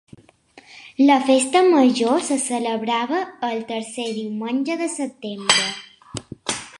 La festa major se celebrava el tercer diumenge de setembre.